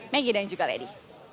megi dan juga lady